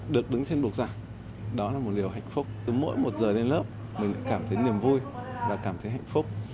được đứng trên buộc giảng đó là một điều hạnh phúc mỗi một giờ lên lớp mình cảm thấy niềm vui và cảm thấy hạnh phúc